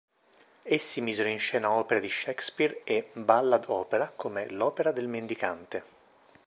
Essi misero in scena opere di Shakespeare e ballad opera come "L'opera del mendicante".